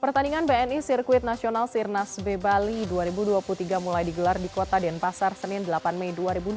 pertandingan bni sirkuit nasional sirnas b bali dua ribu dua puluh tiga mulai digelar di kota denpasar senin delapan mei dua ribu dua puluh